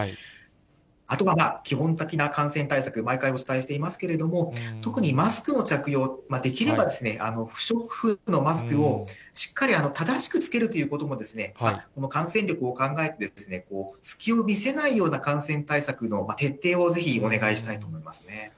あとは基本的な感染対策、毎回お伝えしていますけれども、特にマスクの着用、できれば不織布のマスクをしっかり正しく着けるということも、感染力を考えて、隙を見せないような感染対策の徹底をぜひお願いしたいと思います